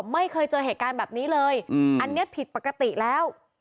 ไม่เคยเจอเหตุการณ์แบบนี้เลยอันนี้ผิดปกติแล้ว